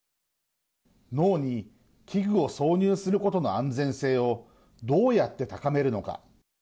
脳に器具を挿入することの安全性をどうやって高めるのか。